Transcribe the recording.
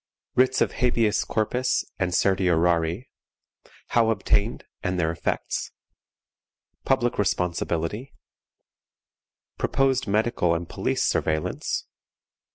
Writs of Habeas Corpus and Certiorari, how obtained, and their Effects. Public Responsibility. Proposed medical and police Surveillance.